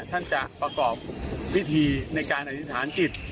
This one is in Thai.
ท่านจะประกอบพิธีในการอธิษฐานจิต